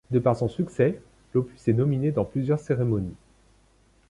De par son succès, l'opus est nominé dans plusieurs cérémonies.